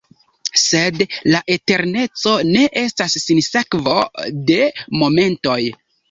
Sed la eterneco ne estas sinsekvo de momentoj!